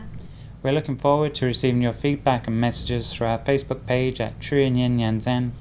chúng tôi rất mong nhận được sự góp ý và trao đổi của quý vị khán giả cũng như những lời nhắm nhủ cho những người ở xa thông qua địa chỉ facebook truyền hình nhân dân